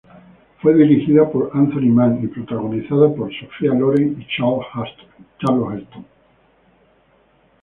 Fue dirigida por Anthony Mann y protagonizada por Sophia Loren y Charlton Heston.